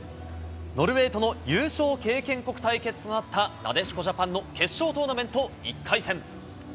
ノルウェーとの優勝経験国対決となったなでしこジャパンの決勝トーナメント１回戦。